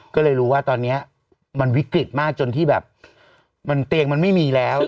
ก็เลยรู้ว่าตอนนี้มันวิกฤตมากจนที่แบบเตียงมันไม่มีแล้ว